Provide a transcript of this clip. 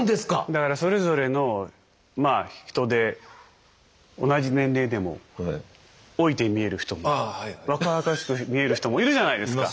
だからそれぞれのまあ人で同じ年齢でも老いて見える人も若々しく見える人もいるじゃないですか。